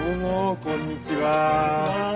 こんにちは。